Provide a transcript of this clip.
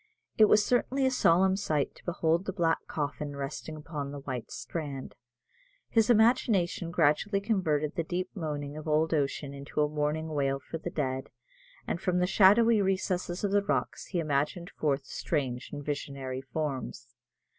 It was certainly a solemn sight to behold the black coffin resting upon the white strand. His imagination gradually converted the deep moaning of old ocean into a mournful wail for the dead, and from the shadowy recesses of the rocks he imaged forth strange and visionary forms.